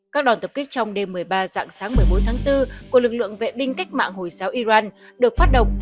các đoàn tập kích trong đêm một mươi ba dạng sáng một mươi bốn tháng bốn của lực lượng vệ binh cách mạng hồi giáo iran được phát động